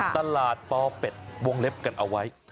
ตลาดปอเป็ดวงเล็บกันเอาไว้